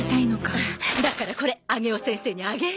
だからこれ上尾先生にあげる。